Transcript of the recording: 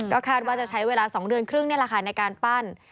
ก็คาดว่าจะใช้เวลา๒เดือนครึ่งในราคาในการปั้น